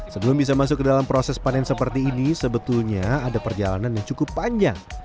sebelum bisa masuk ke dalam proses panen seperti ini sebetulnya ada perjalanan yang cukup panjang